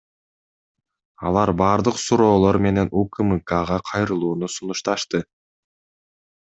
Алар баардык суроолор менен УКМКга кайрылууну сунушташты.